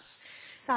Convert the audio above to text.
さあ